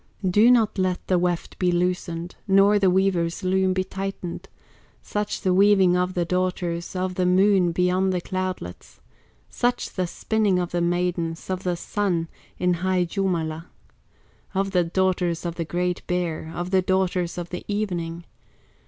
Do not let the weft be loosened, Nor the weaver's loom be tightened; Such the weaving of the daughters Of the Moon beyond the cloudlets; Such the spinning of the maidens Of the Sun in high Jumala, Of the daughters of the Great Bear, Of the daughters of the Evening.